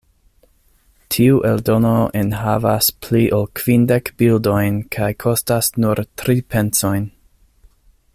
Tiu eldono enhavas pli ol kvindek bildojn kaj kostas nur tri pencojn.